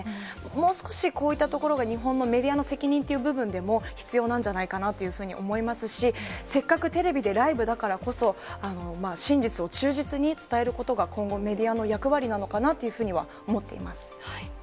もう少しこういったところが日本のメディアの責任っていう部分でも必要なんじゃないかなというふうに思いますし、せっかくテレビでライブだからこそ、真実を忠実に伝えることが今後、メディアの役割なのかなというふうには思っています。